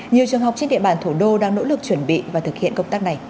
nhiều trường học trên địa bàn thủ đô đang nỗ lực chuẩn bị và thực hiện công tác này